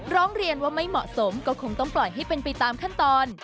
ร้องเรียนว่าไม่เหมาะสมก็คงต้องปล่อยให้เป็นไปตามขั้นตอน